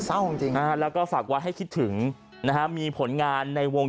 เศร้าจริงแล้วก็ฝากไว้ให้คิดถึงนะฮะมีผลงานในวง